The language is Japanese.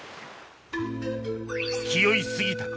気負い過ぎたか？